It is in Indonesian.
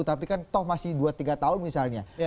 tapi kan toh masih dua tiga tahun misalnya